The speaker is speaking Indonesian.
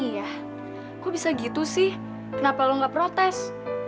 iya aku bisa gitu sih kenapa lo gak protes